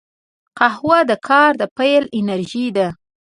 قهوه د کار د پیل انرژي ده